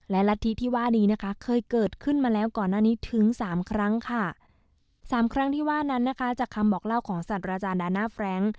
และรัฐธิที่ว่านี้นะคะเคยเกิดขึ้นมาแล้วก่อนหน้านี้ถึงสามครั้งค่ะสามครั้งที่ว่านั้นนะคะจากคำบอกเล่าของสัตว์อาจารย์ดาน่าแฟรงค์